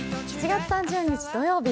７月３０日土曜日